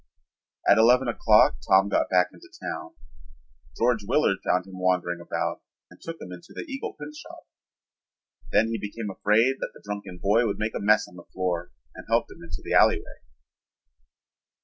At eleven o'clock Tom got back into town. George Willard found him wandering about and took him into the Eagle printshop. Then he became afraid that the drunken boy would make a mess on the floor and helped him into the alleyway.